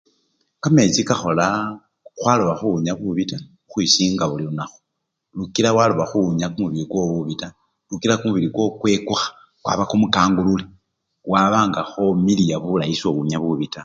Kamechi kakholaaa khwaloba khuwunya bubi taa, khukhwisinga buli lunakhu lukila waloba khuwunya kumubili kwowo lubi taa, lukila kumubili kwowo kwekukha kwaba kumukangulule waba nga khomiliya bulayi sowunya bubi taa.